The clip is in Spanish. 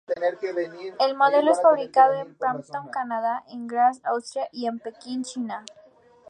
El modelo es fabricado en Brampton, Canadá, en Graz, Austria, y en Pekín, China.